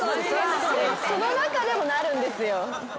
その中でもなるんですよ。